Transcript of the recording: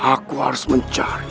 aku harus mencari